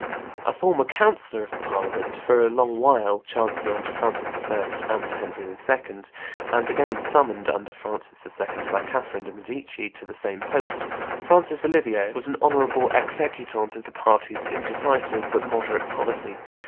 A former councillor of the Parliament, for a long while chancellor under Francis I. and Henry II., and again summoned, under Francis II., by Catherine de' Medici to the same post, Francis Olivier, was an honorable executant of the party's indecisive but moderate policy.